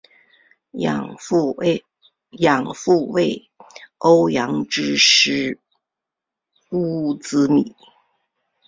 养父为欧普之狮乌兹米。